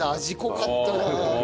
味濃かったな。